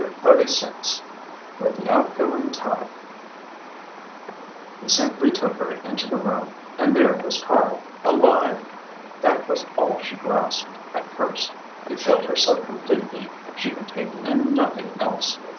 CHAPTER XXXVI WITH THE OUTGOING TIDE He simply took her into the room, and there was Karl alive. That was all she grasped at first; it filled her so completely she could take in nothing else.